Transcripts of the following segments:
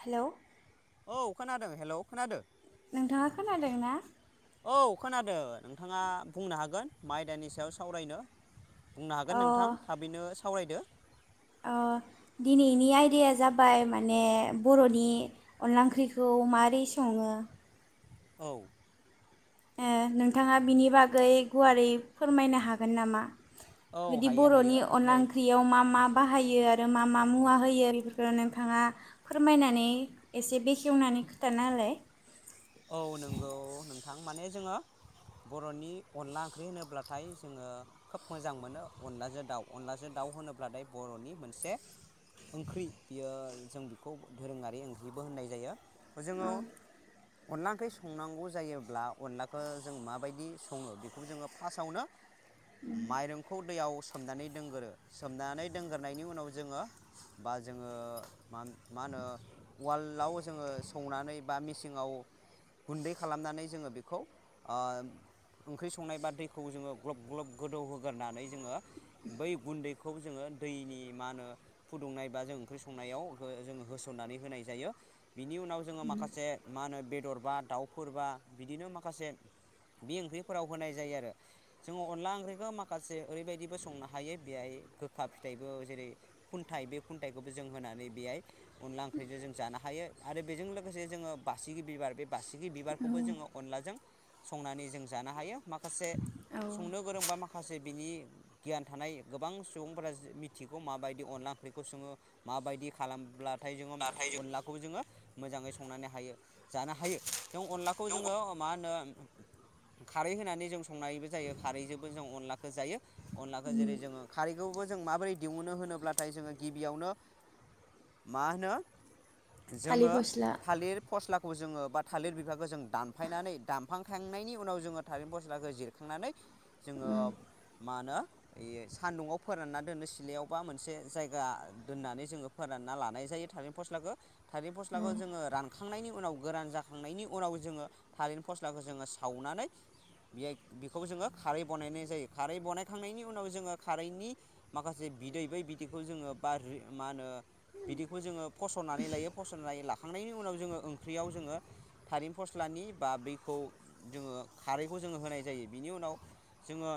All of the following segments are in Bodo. हेलौ औ खोनादों हेल' खोनादों नोंथाङा खोनादों ना? औ खोनादों नोंथाङा बुंनो हागोन मा आयदानि सायाव सावरायनो बुंनो हागोन अ नोंथां थाबैनो सावरायदो अ दिनैनि आयदाया जाबाय माने बर'नि अनला ओंख्रिखौ मारै सङो? औ ओ नोंथाङा बिनि बागै गुवारै फोरमायनो हागोन नामा? औ बिदि हायो हायो बर'नि अनला नै ओंख्रियाव मा मा बाहायो? आ आरो मा मा मुवा होयो बेफोरखौ नोंथाङा फोरमायनानै एसे बेखेवनानै खोथाना होलाय औ नोंगौ नोंथां माने जोङो बर'नि अनला ओंख्रि होनोब्लाथाय जोङो खोब मोजां मोनो अनलाजों दाउ अनलाजों दाउ होनोब्लाथाय बर'नि मोनसे ओंख्रि बियो जों बेखौ दोरोङारि ओंख्रिबो होननाय जायो जोङो अनला ओंख्रि संनांगौ जायोब्ला अनलाखौ जों माबायदि सङो बेखौ जोङो फास्टआवनो माइरंखौ दैयाव सोमनानै दोनगोरो सोमनानै दोनग्रोनायनायनि उनाव जोङो बा जोङो मा होनो उवालाव जोङो सौनानै बा मेसिङाव गुन्दै खालामनानै जोङो बेखौ ओ ओंख्रि संनाय बा दैखौ जोङो ग्लब ग्लब गोदौहोगोरनानै जोङो बै गुन्दैखौ जोङो दैनि मा होनो फुदुंनाय बा जों ओंख्रि संनायाव जोङो होसननानै होनाय जायो बिनि उनाव जोङो माखासे मा होनो बे बेदरबा दाउफोरबा बिदिनो माखासे बे ओंख्रिफोराव होनाय जायो आरो जोङो अनला ओंख्रिखो माखासे ओरैबायदिबो संनो हायो बेहाय गोखा फिथाइबो जेरै खुन्थाइ बे खुन्थायखौबो जों होनानै बेहाय अनला ओंख्रिजों जों जानो हायो आरो बेजों लोगोसे जोङो बासिगि बिबार बे बासिगि बिबारखौबो जोङो अनलाजों संनानै जों जानो हायो माखासे औ संनो गोरोंबा माखासे बिनि गियान थानाय गोबां सुबुंफोरा मिथिगौ माबायदि अनला ओंख्रिखौ सोङो माबायदि खालामब्ला नाथाय जोङो अनलाखौबो जोङो मोजाङै संनानै हायो जानो हायो। हायो जों अनलाखौ जोङो मा होनो? खारै होनानै जों संनायबो जायो खारैजोंबो जों अनलाखौ जायो। अनलाखौ जेरै जोङो खारै बेखौबो जों माबोरै दिहुनो होनोब्लाथाय जोङो गिबियावनो मा होनो थालिर जोङो फस्ला थालिर फस्ला खौ जोङो बा थालिर बिफांखौ जों दानफायनानै दानफांखांनायनि उनाव जोङो थालिर फस्लाखौ जिरखांनानै जोङो मा होनो बे सान्दुंआव फोरानना दोननो सिलायावबा मोनसे जायगा दोननानै जोङो फोरानना लानाय जायो थालिर फस्लाखौ। थालिर फस्लाखौ जोङो रान खांनायनि उनाव गोरान जाखां खांनायनि उनाव जोङो थालिर फस्लाखौ जोङो सावनानै बे बेखौ जोङो खारै बानायनाय जायो खारै बानायखांनायनि उनाव जोङो खारैनि माखासे बिदै बै बिदैखौ जोङो बा मा होनो बिदैखौ जोङो फसरनानै लायो फसरनानै लाखांनायनि उनाव जोङो ओंख्रियाव जोङो थालिर फस्लानि बा बखौ जोङो खारैखौ जोङो होनाय जायो बिनि उनाव जोङो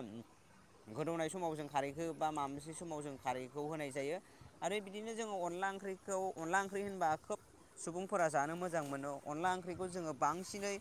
गोदौनाय समाव जों खारैखौ बा माब मोनसे समाव जों खारैखौ होनाय जायो आरो बिदिनो जोङो अनला ओंख्रिखौ अनला ओंख्रि होनबा खोब सुबुंफोरा जानो मोजां मोनो। अनला ओंख्रिखौ जोङो बांसिनै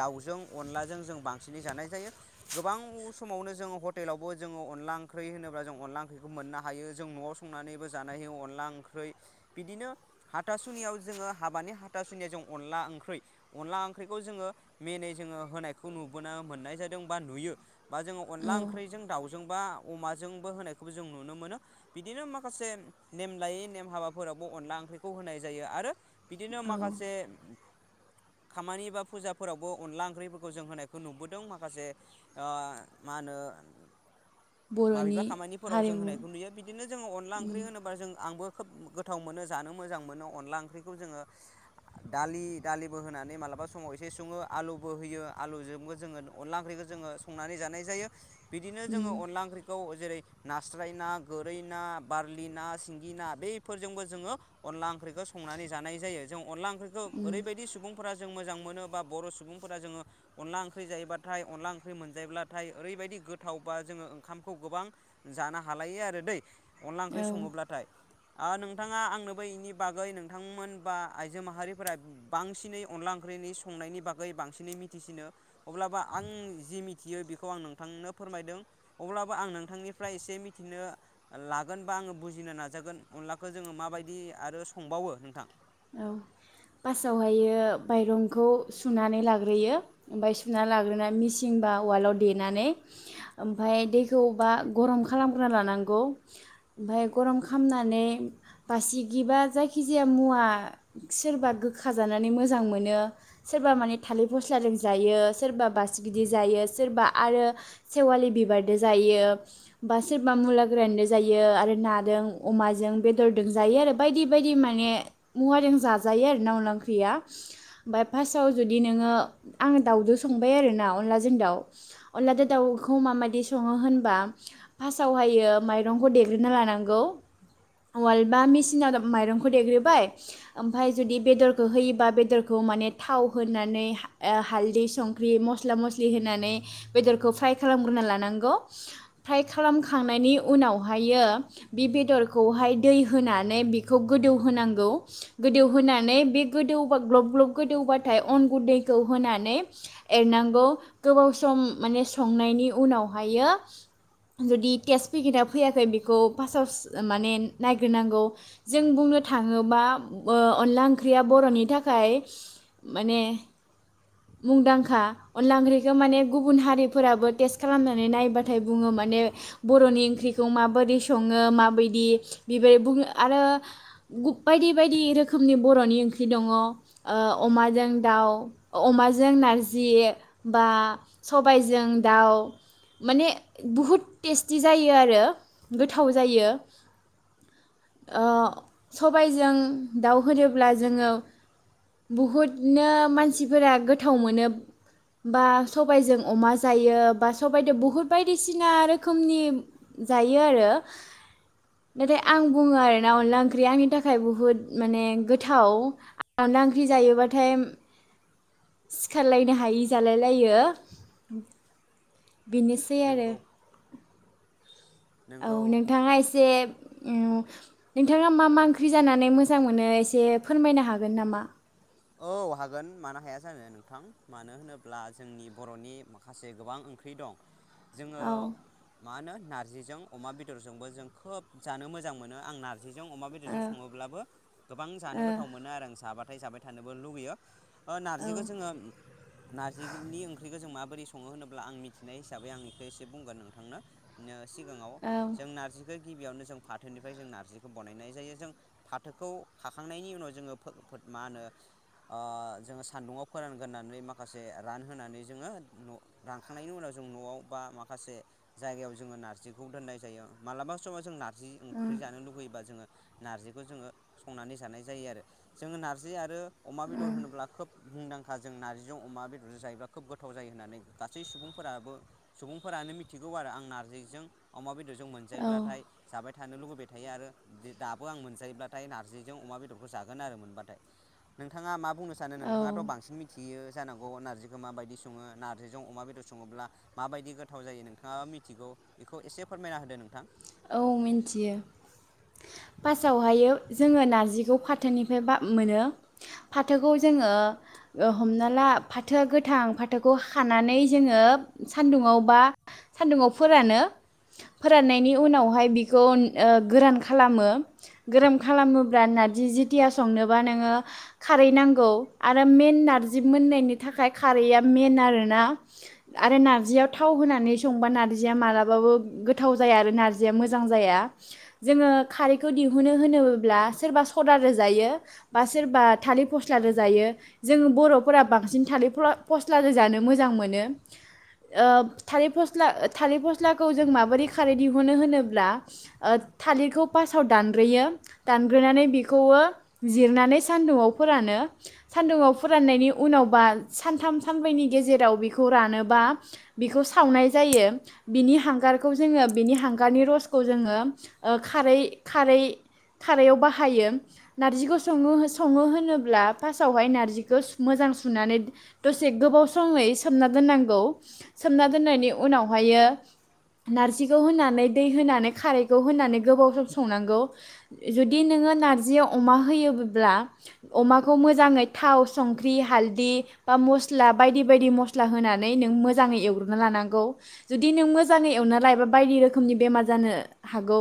दाउजों अनलाजों जों बांसिनै जानाय जायो गोबां समावनो जोङो हटेलावबो जोङो अनला ओंख्रि होनोब्ला जों अनला ओंख्रिखौ मोननो हायो जों न'आव संनानैबो जानाय हायो अनला ओंख्रै बिदिनो हाथासुनियाव जोङो हाबानि हाथासुनि जों अनला ओंख्रै अनला ओंख्रैखौ जोङो मेनै जोङो होनायखौ नुबोनो मोननाय जादों बा नुयो। बा जोङो अनला ओंख्रैजों दाउजोंबा अमाजोंबो होनायखौबो जों नुनो मोनो बिदिनो माखासे नेम लायै नेम हाबाफोरावबो अनला ओंख्रिखौ होनाय जायो आरो बिदिनो औ माखासे खामानि बा फुजाफोरावबो अनला ओंख्रिफोरखौ जों होनायखौ नुबोदों माखासे आ मा होनो माबेबा खामानिफोराव जों होनायखौ नुयो बिदिनो जोङो अनला ओंख्रि होनोबा जों आंबो खोब गोथाव मोनो जानो मोजां मोनो अनला ओंख्रिखौ जोङो। दालि दालिबो होनानै मालाबा समाव एसे सङो आलुबो होयो आलुजोंबो जोङो अनला ओंख्रिखौ जोङो संनानै जानाय जायो ‌ बिदिनो जोङो अनला ओंख्रिखौ जेरै नास्राय ना गोरै ना बारलि ना सिंगि ना बैफोरजोंबो जोङो अनला ओंख्रैखो संना जानाय जायो जों अनला ओंख्रै ओरैबायदि सुबुं फोरा जों मोजां मोन बा बर सुबुंफोरा जोङो अनला ओंख्रि जायोबाथाय अनला ओंख्रि मोनजायोब्लाथाय ओरैबायदि गोथावबा जोङो ओंखामखौ गोबां जानो हालायो आरो दै। अनला ओंख्रि औ सङोब्लाथाय ओ नोंथाङा आंनो इनि बागै नोंथांमोन बा आइजो माहारि फोरा बांसिनै अनला ओंख्रिनि संनायनि बागै बांसिनै मिथिसिनो अब्लाबो आं जि मिथियो बेखौ आं नोंथांनो फोरमायदों अब्लाबो आं नोंथांनिफ्राय एसे मिथिनो लागोन बा आङो बुजिनो नाजागोन अनलाखौ जोङो माबायदि आरो संबावो नोंथां औ फार्स्टआवहायो माइरंखौ सुनानै लाग्रोयो ओमफ्राय सुनानै लाग्रोनानै मिेसिं बा उवालाव देनानै ओमफाय दैखौबा गरम खालामग्रा लानांगौ ओमफाय गरम खालामनानै बासिगिबा जायखिजाया मुवा सोरबा गोखा जानानै मोजां मोनो सोरबा माने थालिर फस्लाजों जायो सोरबा बासगिदो जायो सोरबा आरो सेवालि बिबारदो जायो बा सोरबा मुला गोरानदो जायो आरो नादों अमाजों बेदरदों जायो आरो बायदि बायदि माने मुवाजों जाजायो आरो ना अनला ओंख्रिया ओमफाय फार्स्टआव जुदि नोङो आङो दाउजों संबाय आरो ना अनलाजों दाउ अनलाजों दाउखौ माबायदि सङो होनबा फार्स्टआवहायो माइरंखौ देग्रोना लानांगौ उवाललबा मेसिनाव माइरंखौ देग्रोबाय ओमफाय जुदि बेदरखौ होयोबा बेदरखौ माने थाव होनानै हालदै संख्रि मस्ला मस्लि होनानै बेदरखौ फ्राय खालामग्रोना लानांगौ फ्राय खालामखांनायनि उनावहायो बे बेदरखौहाय दै होनानै बिखौ गोदौहांगौ गोदौहोनानै बे गोदौबा ग्लब ग्लब गोदौबाथाय अन गुन्दैखौ होनानै एरनांगौ गोबाव सम माने संनायनि उनावहायो जुदि टेस्ट पेकेटआ फैयाखै बेखौ फास्टाव माने नायग्रोनांगौ जों बुंनो थाङोबा ओ अनला ओंख्रिया बर'नि थाखाय माने मुंदांखा अनला ओंख्रिखौ माने गुबुन हारिफोराबो टेस्ट खालामनानै नायबाथाय बुङो माने बर'नि ओंख्रिखौ माबोरदि सङो माबायदि बेबायदि बिबा आरो बायदि बेबायदि रोखोमनि बर'नि ओंख्रि दङ ओ अमाजों दाउ अ अमाजों नारजि बा सबायजों दाउ माने बहुद टेस्टि जायो आरो गोथाव जायो ओ सबायजों दाउ होनोब्ला जोङो बहुदनो मानसिफोरा गोथाव मोनो बा सबायजों अमा जायो बा सबाइदो बुहुद बायदिसिना रोखोमनि जायो आरो नाथाय आं बुङो आरोना अनला ओंख्रिया आंनि थाखाय बुहुद माने गोथाव अनला ओंख्रि जायोबाथाय सिखारलायनो हायि जालायलायो। बेनोसै आरो। नंगौ औ नंगौ नोंथाङा एसे उम नोंथाङा मा मा ओंख्रि जानानै मोजां मोनो एसे फोरमायनो हागोन नामा? औ हागोन मानो हाया जानो नोंथां मानो होनोब्ला जोंनि बर'नि माखासे गोबां ओंख्रि दं। जोङो औ मा होनो नार जिजों अमा बेदरजोंबो जों खोब जानो मोजां मोनो आं नार जिजों अमा ओ बेदरजों सङोब्लाबो गोबां जानो ओ गोथाव मोनो आरो आं साहाबा थाय जाबाय थानोबो लुगैयो। ओ औ नारजिखो जोङो नारजिनि ओंख्रिखो जों मा बोरै सङो होनोब्ला आं मिथिनाय हिसाबै आं इखो एसे बुंगोन नोंथांनो निओ सिगाङाव जों औ नारजिखै गिबियावनो जों फाथोनिफाय जों नारजिखौ बनायनाय जायो जों फाथोखौ खाखांनायनि उनाव जोङो फोथ फोथ मा होनो ओ जोङो सान्दुंयाव फोरानग्रोनानै माखासे रानहोनानै जोङो न' रानखांनायनि उनाव जों नआव बा माखासे जायगायाव जोङो नार्जिखौ दोननाय जायो मालाबा समाव जों ना जि ओंख्रि जानो लुुगैयोबा जोङो नार्जिखौ जोङो संनानै जानाय जायो आरो जोङो नार्जि आरो अमा बेदर होनोब्ला खोब मुंदांखा जों नारजिजों अमा बेदरजों जायोब्ला खोब गोथाव जायो होननानै गासै सुबुंफोराबो सुबुंफोरानो मिथिगौ आरो आं नारजिजों अमा बेदरज जों औ मोनजायोब्लाथाय जाबाय थानो लुबैबाय थायो आरो दो दाबो आं मोनजायोब्लाथाय नारजिजों अमा बेदरखौ जागोन आरो मोनबाथाय। नोंथाङा मा बुंनो सानो औ नोंथाङाथ बांसिन मिथियो जानांगौ नार्जिखो माबायदि सङो नार्जिजों अमा बेदर सङोब्ला माबायदि गोथाव जायो नोंथाङाबा मिथिगौ इखौ एसे फोरमायना होदो नोंथां। औ मिन्थियो। फासावहाय जोङो नारजिखौ फाथोनिफ्राय बा मोनो फाथोखौ जोङो ओ हमना ला फाथोआ गोथां फाथोखौ खानानै जोङो सानदुङाव बा सानदुङाव फोरानो फोराननायनि उनावहाय बिखौ उन ओ गोरान खालामो। ओम गोरोम खालामोब्ला नारजि जिथिया संनोबा नोङो खारै नांगौ आरो मेन नारजि मोननायनि थाखाय खारैया मेन आरोना आरो नारजियाव थाव होनानै संबा नारजिया मालाबाबो गोथाव जाया आरो नारजिया मोजां जाया। जोङो खारै खौ दिहुनो होनोब्ला सोरबा सदादो जायो बा सोरबा थालिर फस्लादो रोजायो जों बर'फोरा बांसिन थालिर फ्ल' फस्लादो जानो मोजां मोनो ओ थालिर फस थालिर फस्लाखौ जों माबोरै खारै दिहुनो होनोब्ला ओ थालिरखौ फास थाव दानग्रोयो दानग्रोनानै बेखौबो जिरनानै सान्दुंआव फोरानो सानदुआव फोराननायनि उनावबा सानथाम सानब्रैनि गेजेराव बेखौ रानोबा बिखौ सावनाय जायो बिनि हांगारखौ जोङो बिनि हांगारनि रसखौ जोङो ओ खारै खारै खारैयाव बाहायो नार्जिखौ सङो सङो होनोब्ला फासआवहाय नार्जिखौ मोजां सुनानै दसे गोबाव समै सोमना दोननांगौ सोमना दोननायनि उनावहायो नार्जिखौ होनानै दै होनानै खारैखौ होनानै गोबाव सवस संनांगौ जुदि नों नारजियाव अमा होयोबोब्ला अमाखौ मोजाङै थाव संख्रि हालदै बा मस्ला बायदि बायदि मस्ला होनानै नों मोजाङै एवग्रोनना लानांगौ जुदि नों मोजाङै एवना लायोबा बायदि रोखोमनि बेमार जानो हागौ।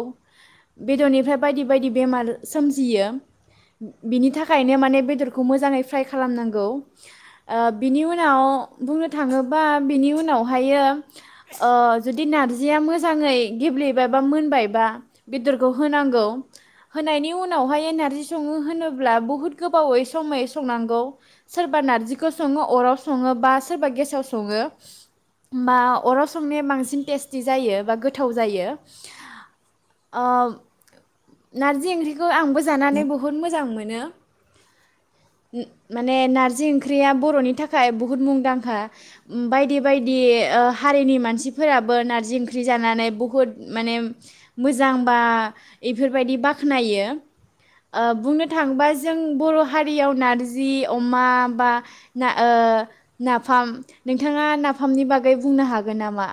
बेदरनिफ्राय बायदि बायदि बेमार सोमजियो बिनि थाखायनो माने बेदरखौ मोजाङै फ्राय खालामनांगौ ओ बिनि उनाव बुंनो थाङोबा बिनि उनावहायो ओ जुदि नारजिया मोजाङै गेब्लेबाय बा मोनबायबा बेदरखौ होनांगौ होनायनि उनावहाय नार्जि सङो होनोब्ला बुहुद गोबावै समै संनांगौ सोरबा नारजिखौ सङो अराव सङो बा सोरबा गेसाव सङो बा अराव संनाया बांसिन टेस्टि जायो बा गोथाव जायो। आ नारजि ओंख्रिखौ आंबो जानानै बहुद मोजां मोनो माने नारजि ओंख्रिया बर'नि थाखाय बुहुद मुंदांखा बायदि बायदि ओ हारिनि मानसिफोराबो नार्जि ओंख्रि जानानै बुहुद माने मोज जां बा इफोरबायदि बाख्नायो ओ बुंनो थाङोबा जों बर' हारियाव नारजि अमा बा ना ओ नाफाम नोंथाङा नाफामनि बागै बुंनो हागोन नामा?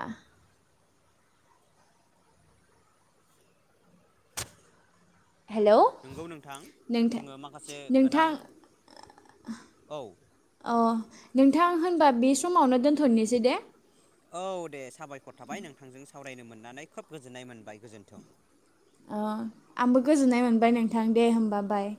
हेलौ नोंगौ नोंथां नोंथां जोङो माखासे नोंथां गोनां औ अ नोंथां होनबा बे समावनो दोन्थनिसै दे। औ दे। साबायखर थाबाय नोंथांजों सावरायनो मोननानै खोब गोजोननाय मोनबाय गोजोन्थों। आंबो गोजोननाय मोनबाय नोंथां दे होमबा बाय।